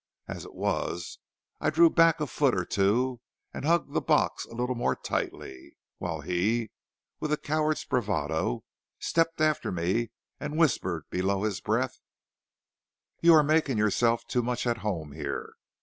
As it was, I drew back a foot or two and hugged the box a little more tightly, while he, with a coward's bravado, stepped after me and whispered below his breath: "'You are making yourself too much at home here.